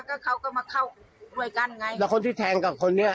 ก็เขาก็มาเข้าด้วยกันไงแล้วคนที่แทงกับคนนี้